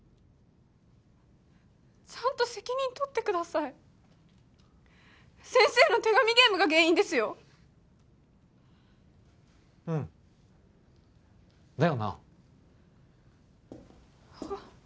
ちゃんと責任取ってください先生の手紙ゲームが原因ですようんだよなはっ？